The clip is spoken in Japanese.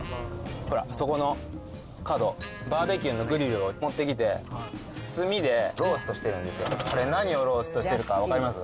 ほら、そこの角、バーベキューのグリルを持ってきて、炭でローストしてるんですよ、あれ、何をローストしてるか、分かります？